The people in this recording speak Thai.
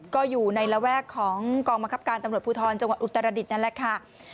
ก็อยู่ในระแวกของกองบังคับการตำรวจภูทรจังหวัดอุตรดิษฐ์นั่นแหละค่ะ